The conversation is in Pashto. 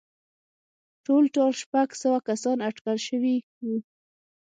ټولټال شپږ سوه کسان اټکل شوي وو